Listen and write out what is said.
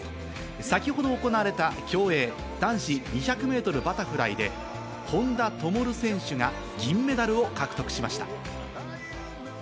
先ほど行われた競泳男子２００ｍバタフライで、本多灯選手が銀メダルを獲得しました。